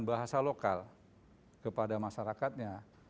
bahasa lokal kepada masyarakatnya